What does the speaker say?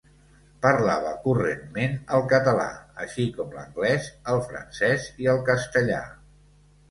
Parlava correntment el català així com l'anglès, el francès i el castellà.